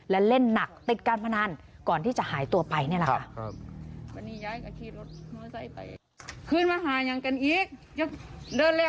และเล่นหนักติดการพนันก่อนที่จะหายตัวไปนี่แหละค่ะ